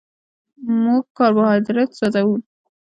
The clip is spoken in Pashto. موږ کاربوهایډریټ سوځوو